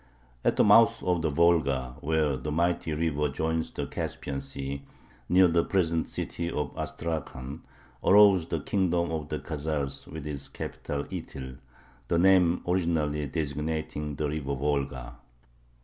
At the mouth of the Volga, where the mighty river joins the Caspian Sea, near the present city of Astrakhan, arose the kingdom of the Khazars with its capital Ityl, the name originally designating the river Volga.